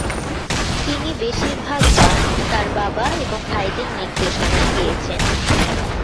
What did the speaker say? তিনি বেশিরভাগ গান তার বাবা এবং ভাইদের নির্দেশনায় গেয়েছেন।